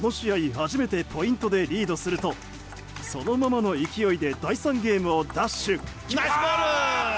初めてポイントでリードするとそのままの勢いで第３ゲームを奪取。